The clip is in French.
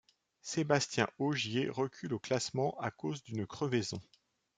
Sébastien Ogier recule au classement à cause d'une crevaison.